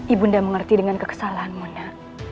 ibu nda mengerti dengan kekesalahanmu nda